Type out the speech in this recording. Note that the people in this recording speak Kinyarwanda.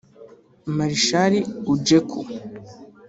Marchal Ujeku